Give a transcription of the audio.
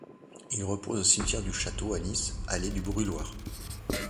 Il repose au cimetière du château à Nice, allée du brûloir.